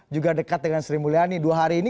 juga dekat dengan sri mulyani dua hari ini